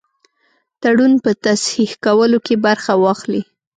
تړون په تصحیح کولو کې برخه واخلي.